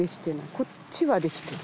こっちはできてる。